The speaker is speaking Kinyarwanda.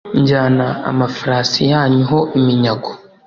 njyana amafarasi yanyu ho iminyago,